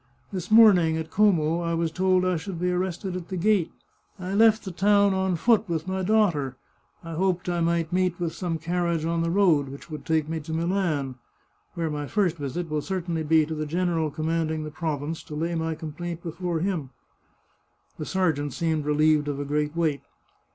This morning, at Como, I was told I should be arrested at the gate. I left the town on foot with my daughter. I hoped I might meet with some carriage on the road, which would take me to Milan, where my first visit will certainly be to the general commanding the province, to lay my complaint before him." 84 The Chartreuse of Parma The sergeant seemed relieved of a great weight.